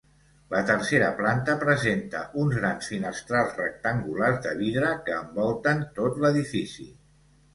La tercera planta presenta uns grans finestrals rectangulars de vidre, que envolten tot l'edifici.